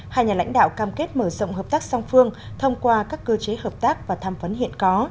hai nhà lãnh đạo cam kết mở rộng hợp tác song phương thông qua các cơ chế hợp tác và tham vấn hiện có